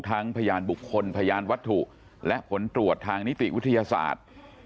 พยานบุคคลพยานวัตถุและผลตรวจทางนิติวิทยาศาสตร์